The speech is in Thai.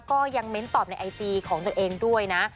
ก็ยังเน้นตอบในไอจีของตัวเองด้วยนะ